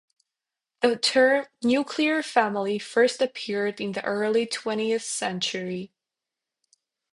The term "nuclear family" first appeared in the early twentieth century.